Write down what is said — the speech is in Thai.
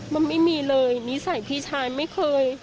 มันไม่มีเลยนิสัยพี่ชายไม่เคย